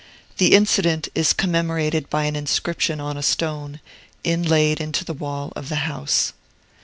The incident is commemorated by an inscription on a stone, inlaid into the wall of the house.